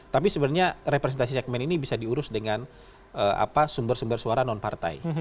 tapi sebenarnya representasi segmen ini bisa diurus dengan sumber sumber suara non partai